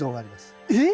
えっ！